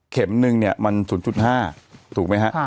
นึงเนี่ยมัน๐๕ถูกไหมฮะ